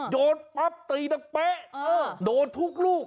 โดนปั๊บตีดังเป๊ะโดนทุกลูก